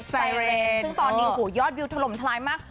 ซึ่งตอนนี้ขู่ยอดวิวถล่มทะลายมาก